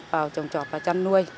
vào trồng trọt và chăn nuôi